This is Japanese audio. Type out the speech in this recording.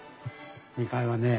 ２階はね